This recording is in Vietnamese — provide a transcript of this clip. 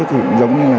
giống như là